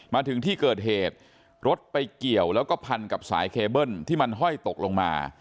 มาถึงที่เกิดเหตุรถไปเกี่ยวแล้วก็พันกับสายเคเบิ้ลที่มันห้อยตกลงมา